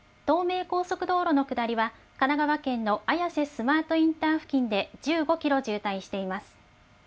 東名高速道路の下りは、神奈川県の綾瀬スマートインター付近で１５キロ渋滞しています。